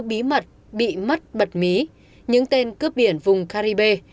bí mật bị mất bật mí những tên cướp biển vùng caribe